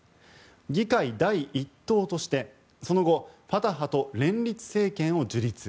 議会第一党としてその後、ファタハと連立政権を樹立。